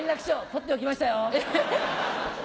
取っておきました。